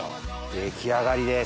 出来上がりです！